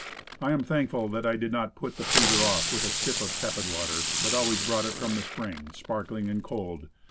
I am thankful that I did not put the pleader off with a sip of tepid water, but always brought it from the spring, sparkling and cold.